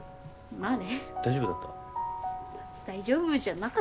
まあね。